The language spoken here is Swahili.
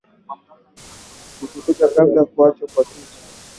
siku sita kabla ya kuachiwa kwa suchi